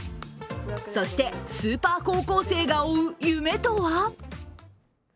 そして、スーパー高校生が追う夢とは？